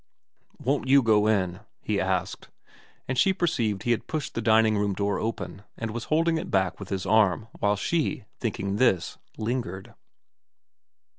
* Won't you go in ?' he asked ; and she perceived he had pushed the dining room door open and was holding it back with his arm while she, thinking this, lingered.